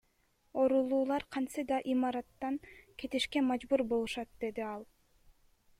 Оорулуулар кантсе да имараттан кетишке мажбур болушат, — деди ал.